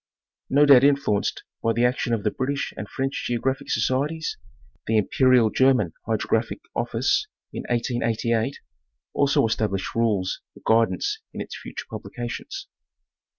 No doubt influenced by the action of the British and French geographic societies the Imperial German Hydrographic office in 1888 also established rules for guidance in its future publications.